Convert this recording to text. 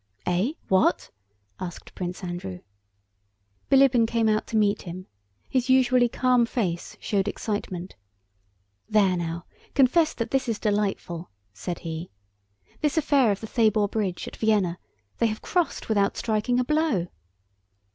"Eh? What?" asked Prince Andrew. Bilíbin came out to meet him. His usually calm face showed excitement. "There now! Confess that this is delightful," said he. "This affair of the Thabor Bridge, at Vienna.... They have crossed without striking a blow!"